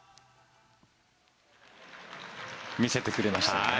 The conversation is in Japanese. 見せてくれましたね。